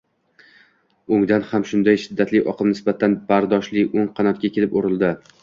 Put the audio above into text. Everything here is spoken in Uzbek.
o‘ngdan ham shunday shiddatli oqim nisbatan bardoshli o‘ng qanotga kelib urildi